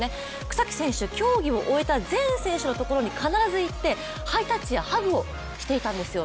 草木選手、競技を終えた全選手のところに必ず行ってハイタッチやハグをしていたんですよ。